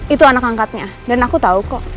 itu anak angkatnya dan aku tahu kok